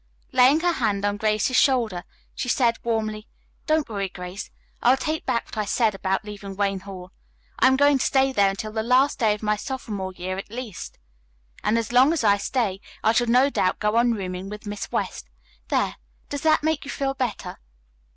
Laying her hand on Grace's shoulder she said warmly: "Don't worry, Grace. I will take back what I said about leaving Wayne Hall. I'm going to stay there until the last day of my sophomore year, at least. And as long as I stay I shall no doubt go on rooming with Miss West. There, does that make you feel better?"